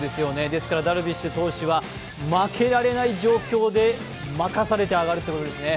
ですから、ダルビッシュ投手は負けられない状況で任されて上がるということですね。